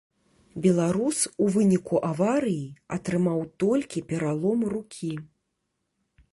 Беларус у выніку аварыі атрымаў толькі пералом рукі.